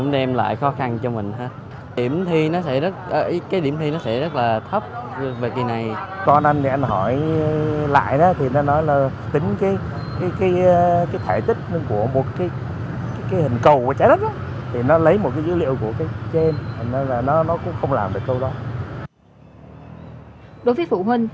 đối với phụ huynh